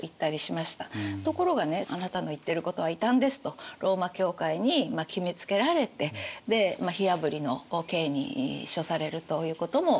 ところがねあなたの言ってることは異端ですとローマ教会に決めつけられてで火あぶりの刑に処されるということも起きたりしています。